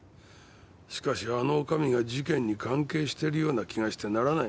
しかしあの女将が事件に関係してるような気がしてならないんだ。